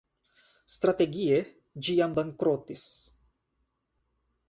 Strategie, ĝi jam bankrotis.